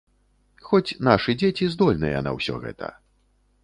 Хоць нашы дзеці здольныя на ўсё гэта.